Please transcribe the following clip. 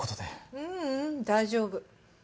ううん大丈夫。